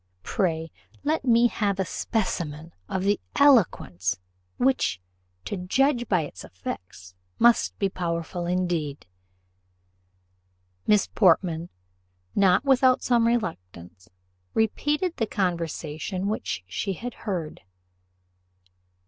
Pray let me have a specimen of the eloquence, which, to judge by its effects, must be powerful indeed." Miss Portman, not without some reluctance, repeated the conversation which she had heard.